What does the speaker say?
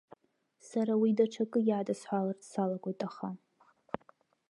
Сара уи даҽакы иадысҳәаларц салагоит аха.